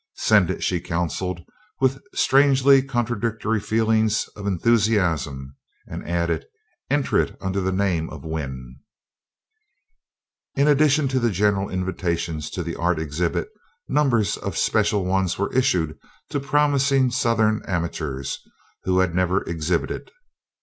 "Send it," she counseled with strangely contradictory feelings of enthusiasm, and added: "Enter it under the name of Wynn." In addition to the general invitations to the art exhibit numbers of special ones were issued to promising Southern amateurs who had never exhibited.